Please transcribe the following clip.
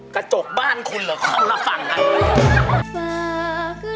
กระจกบ้านคุณเหรอข้างละฝั่งอะไรขึ้น